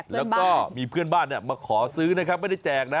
แล้วก็มีเพื่อนบ้านมาขอซื้อนะครับไม่ได้แจกนะ